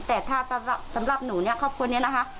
แต่ถ้าสำหรับหนูครอบครัวนี้